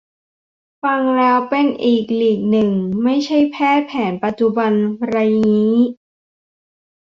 ฟังแล้วเป็นอีกลีกนึง ไม่ใช่แพทย์แผนปัจจุบันไรงี้